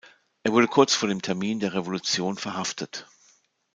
Er wurde kurz vor dem Termin der Revolution verhaftet.